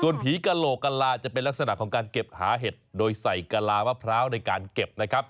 ผีกระโหลกกะลาจะเป็นลักษณะของการเก็บหาเห็ดโดยใส่กะลามะพร้าวในการเก็บนะครับ